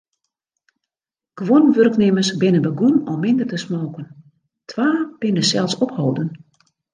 Guon wurknimmers binne begûn om minder te smoken, twa binne sels opholden.